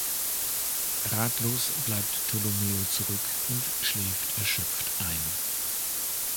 Ratlos bleibt Tolomeo zurück und schläft erschöpft ein.